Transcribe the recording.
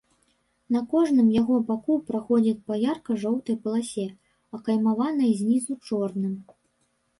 На кожным яго баку праходзіць па ярка-жоўтай паласе, акаймаванай знізу чорным.